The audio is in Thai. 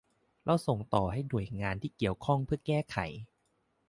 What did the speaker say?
แล้วส่งต่อให้หน่วยงานที่เกี่ยวข้องเพื่อแก้ไข